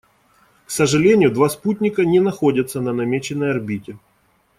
К сожалению, два спутника не находятся на намеченной орбите.